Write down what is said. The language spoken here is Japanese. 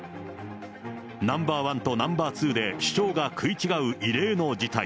ナンバー１とナンバー２で主張が食い違う異例の事態。